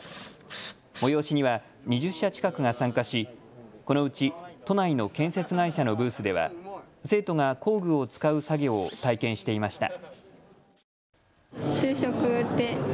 催しには２０社近くが参加しこのうち都内の建設会社のブースでは生徒が工具を使う作業を体験していました。